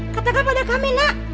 katakan pada kami nak